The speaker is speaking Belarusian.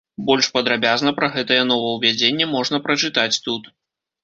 Больш падрабязна пра гэтае новаўвядзенне можна прачытаць тут.